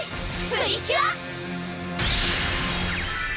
プリキュア！